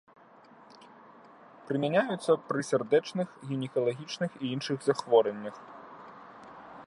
Прымяняюцца пры сардэчных, гінекалагічных і іншых захворваннях.